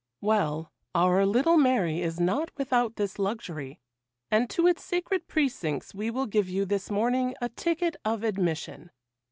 Well, our little Mary is not without this luxury, and to its sacred precincts we will give you this morning a ticket of admission.